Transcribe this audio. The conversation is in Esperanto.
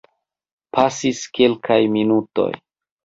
Pasis kelkaj minutoj.